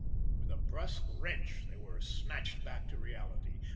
With a brusque wrench, they were snatched back to reality.